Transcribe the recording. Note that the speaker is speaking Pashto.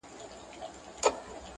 ماشوم وم چي بوډا کیسه په اوښکو لمبوله؛